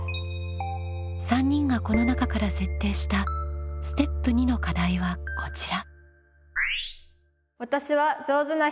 ３人がこの中から設定したステップ２の課題はこちら。